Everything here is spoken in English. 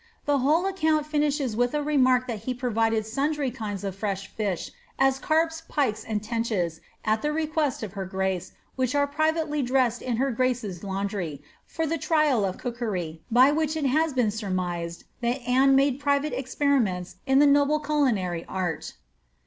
rhe whole account finishes with a remark that he had provided sundry kinds of fresh fish, as carps, pikes, and tenches, at the request of her jrace, which were privsiely dressed in her grace's laundry, for the trial ff rookery, by wliich it has been suroiised that Anne made private ex priimenta in the noble culinary art.